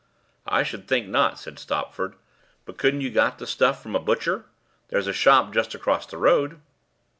"I should think not," said Stopford. "But couldn't you got the stuff from a butcher? There's a shop just across the road."